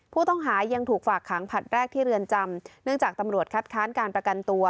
ผู้ต้องหายังถูกฝากขังผลัดแรกที่เรือนจำเนื่องจากตำรวจคัดค้านการประกันตัว